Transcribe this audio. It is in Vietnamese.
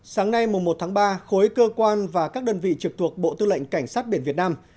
sáng nay một tháng ba khối cơ quan và các đơn vị trực thuộc bộ tư lệnh cảnh sát biển việt nam